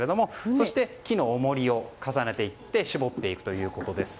そして木の重りを重ねていって絞っていくということです。